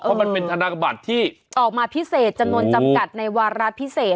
เพราะมันเป็นธนบัตรที่ออกมาพิเศษจำนวนจำกัดในวาระพิเศษ